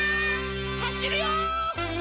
はしるよ！